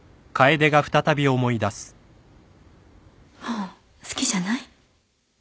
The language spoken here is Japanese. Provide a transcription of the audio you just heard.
もう好きじゃない？